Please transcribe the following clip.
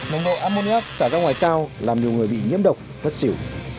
năng độ ammoniac trả ra ngoài cao làm nhiều người bị nhiễm độc bất xỉu